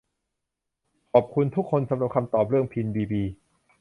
ขอบคุณทุกคนสำหรับคำตอบเรื่องพินบีบี